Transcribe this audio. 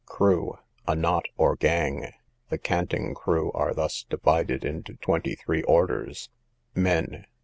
Crew, a knot or gang: the canting crew are thus divided into twenty three orders:— MEN.